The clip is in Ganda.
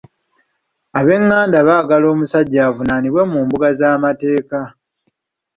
Ab'enganda baagala omusajja avunaanibwe mu mbuga z'amateeka.